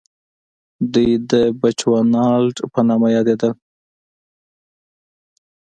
دوی د بچوانالنډ په نامه یادېدل.